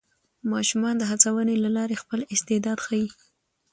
ماشومان د هڅونې له لارې خپل استعداد ښيي